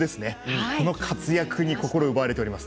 この活躍に心を奪われています。